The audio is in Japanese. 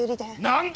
何だ？